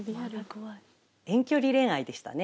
遠距離恋愛でしたね。